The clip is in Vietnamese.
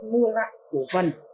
mua lại của phần